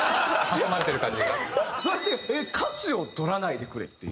そして歌詞をとらないでくれっていう。